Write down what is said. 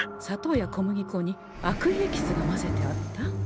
砂糖や小麦粉に悪意エキスが混ぜてあった？